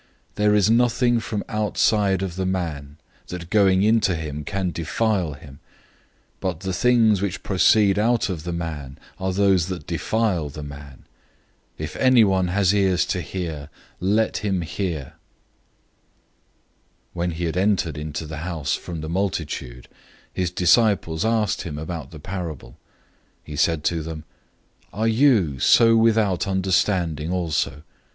007:015 There is nothing from outside of the man, that going into him can defile him; but the things which proceed out of the man are those that defile the man. 007:016 If anyone has ears to hear, let him hear!" 007:017 When he had entered into a house away from the multitude, his disciples asked him about the parable. 007:018 He said to them, "Are you thus without understanding also?